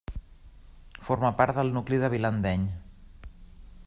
Forma part del nucli de Vilandeny.